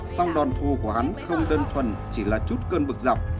xong đòn thô của hắn không đơn thuần chỉ là chút cơn bực dọc